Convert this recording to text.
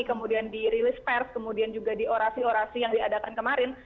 kemudian di rilis pers kemudian juga di orasi orasi yang diadakan kemarin